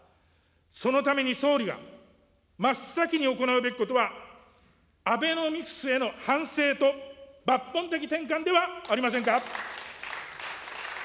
そのために総理は、真っ先に行うべきことは、アベノミクスへの反省と抜本的転換ではありませんか。